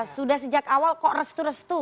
sudah sejak awal kok restu restu